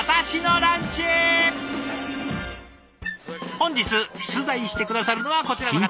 本日出題して下さるのはこちらの方。